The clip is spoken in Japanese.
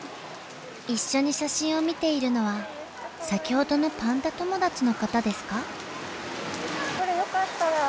一緒に写真を見ているのは先ほどのパンダ友達の方ですか？